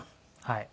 はい。